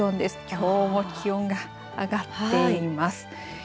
きょうも気温が上がっています。